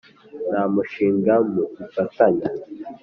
nta mushinga mugifatanya